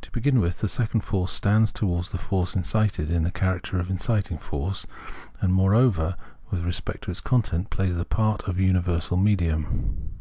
To begin with, the second force stands towards the force incited in the character of inciting force, and, moreover, with respect to its content, plays the part of universal medium.